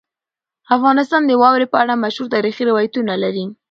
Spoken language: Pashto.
افغانستان د واورې په اړه مشهور تاریخي روایتونه لري.